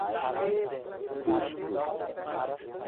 Cusco